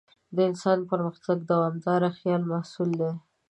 د انسان پرمختګ د دوامداره خیال محصول دی.